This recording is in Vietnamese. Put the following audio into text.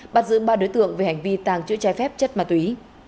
bắt giữ ba đối tượng về hành vi tàng trữ trái phép chất ma túy